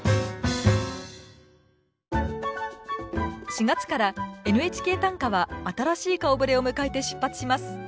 ４月から「ＮＨＫ短歌」は新しい顔ぶれを迎えて出発します。